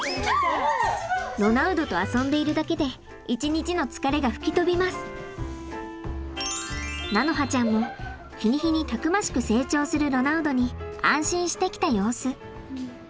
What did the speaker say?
ロナウドと遊んでいるだけで菜花ちゃんも日に日にたくましく成長するロナウドに安心してきた様子。